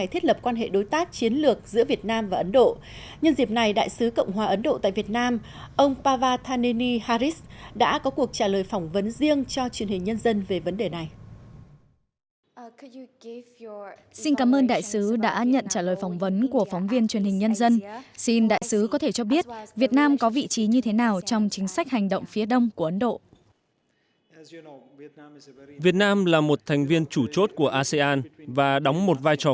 hành động phía đông của ấn độ việt nam là một thành viên chủ chốt của asean và đóng một vai trò